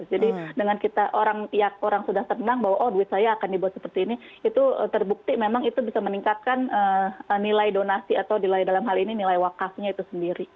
jadi dengan kita orang yang sudah senang bahwa oh duit saya akan dibuat seperti ini itu terbukti memang itu bisa meningkatkan nilai donasi atau nilai dalam hal ini nilai wakafnya itu sendiri